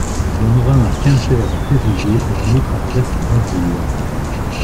Il y en aura un à Quimper en février et un autre à Brest en avril.